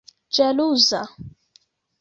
ĵaluza